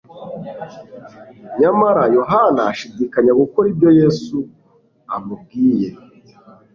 Nyamara Yohana ashidikanya gukora ibyo Yesu amubwiye.